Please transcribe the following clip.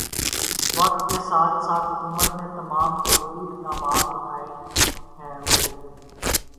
وقت کے ساتھ ساتھ حکومت نے تمام ضروری اقدامات اٹھائے ہیں او